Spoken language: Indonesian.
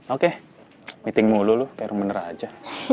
oke meeting mulu lo kayak rumah nera aja